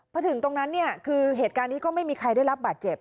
พอถึงตรงนั้นเนี่ยคือเหตุการณ์นี้ก็ไม่มีใครได้รับบาดเจ็บ